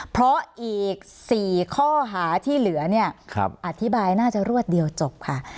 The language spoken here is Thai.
เพราะอีก๔ข้อหาที่เหลือเนี่ยอธิบายน่าจะรวดเดียวจบค่ะ